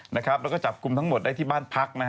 แล้วก็จับกลุ่มทั้งหมดได้ที่บ้านพัก